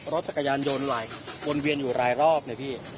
รถจักรยานยนต์ไหลวนเวียนอยู่หลายรอบเลยพี่